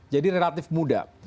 jadi relatif muda